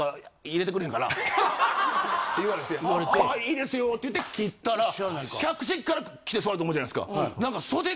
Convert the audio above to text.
「いいですよ」って言って切ったら客席から来て座ると思うじゃないですか。